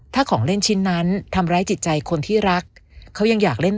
ถ้าของเล่นชิ้นนั้นทำร้ายจิตใจคนที่รักเขายังอยากเล่น